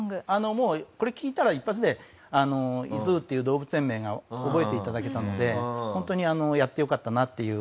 もうこれ聴いたら一発で「ｉＺｏｏ」っていう動物園名が覚えていただけたので本当にやってよかったなっていうものでしたね。